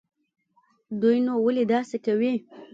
دوى نو ولې داسې کوي.